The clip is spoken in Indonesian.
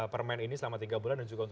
permen ini selama tiga bulan dan juga untuk